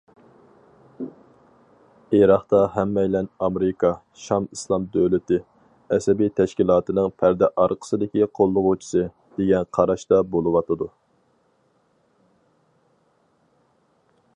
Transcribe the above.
ئىراقتا ھەممەيلەن ئامېرىكا‹‹ شام ئىسلام دۆلىتى›› ئەسەبىي تەشكىلاتىنىڭ پەردە ئارقىسىدىكى قوللىغۇچىسى، دېگەن قاراشتا بولۇۋاتىدۇ.